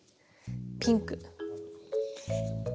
ピンク。